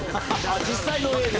「実際の映像？」